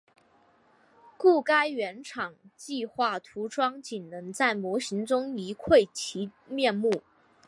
故该原厂计画涂装仅能在模型中一窥其面目。